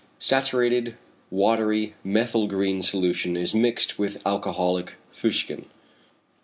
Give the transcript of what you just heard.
= Saturated, watery methyl green solution is mixed with alcoholic fuchsin.